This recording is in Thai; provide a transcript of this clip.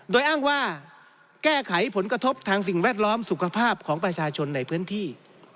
โดยอ้างว่าแก้ไขผลกระทบทางสิ่งแวดล้อมสุขภาพของประชาชนในพื้นที่